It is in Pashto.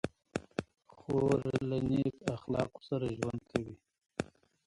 خور له نیک اخلاقو سره ژوند کوي.